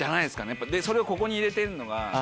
やっぱでそれをここに入れてるのが。